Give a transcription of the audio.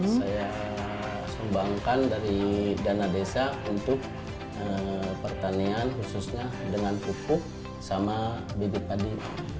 saya sumbangkan dari dana desa untuk pertanian khususnya dengan pupuk sama bibit padi